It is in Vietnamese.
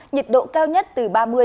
nhiệt độ cao nhất từ ngày hôm nay